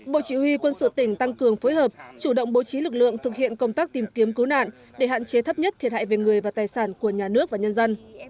bộ chỉ huy quân sự tỉnh tăng cường phối hợp chủ động bố trí lực lượng thực hiện công tác tìm kiếm cứu nạn để hạn chế thấp nhất thiệt hại về người và tài sản của nhà nước và nhân dân